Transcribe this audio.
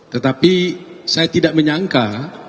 tetapi saya tidak menyangka